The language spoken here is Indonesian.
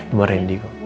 sama randy kok